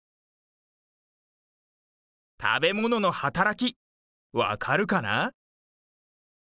たべもののはたらきわかるかな？